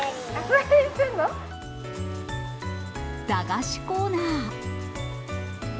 駄菓子コーナー。